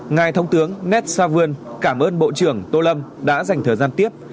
ngài thống tướng ned savan cảm ơn bộ trưởng tô lâm đã dành thời gian tiếp